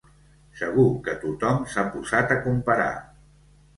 Segur que tothom s'ha posat a comparar.